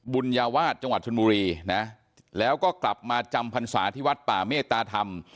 บุญญาวาสจังหวัดชนบุรีนะแล้วก็กลับมาจำพรรษาที่วัดป่าเมตตาธรรม